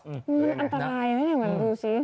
อืมอันตรายนะเนี่ยดูสิ